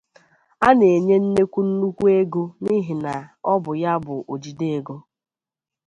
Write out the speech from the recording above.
a na-enye nnekwu nnukwu ego n’ihi na ọ bụ ya bụ ojide ego